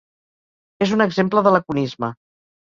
És un exemple de laconisme.